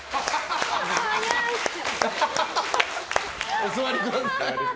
お座りください。